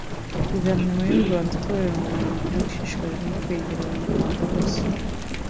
Guverinoma y’u Rwanda ikorera mu buhungiro ishishikajwe no kwegera Abanyarwanda bose